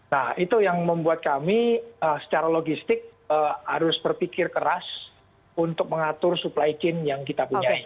nah itu yang membuat kami secara logistik harus berpikir keras untuk mengatur supply chain yang kita punya